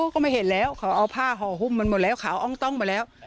ก็ไม่เห็นแล้วเขาเอาผ้าห่อหุ้มมันหมดแล้วขาวอ้องต้องหมดแล้ว